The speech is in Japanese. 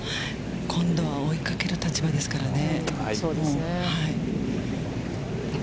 今度は追いかける立場ですからね。